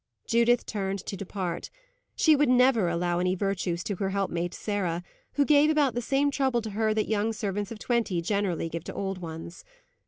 Judith turned to depart. She never would allow any virtues to her helpmate Sarah, who gave about the same trouble to her that young servants of twenty generally give to old ones.